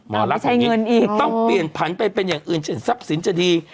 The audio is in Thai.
ไม่ใช่เงินอีกต้องเปลี่ยนผันไปเป็นอย่างอื่นศัพท์ศิลป์จะดี